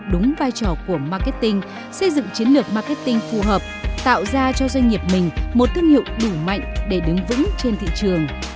đúng vai trò của marketing xây dựng chiến lược marketing phù hợp tạo ra cho doanh nghiệp mình một thương hiệu đủ mạnh để đứng vững trên thị trường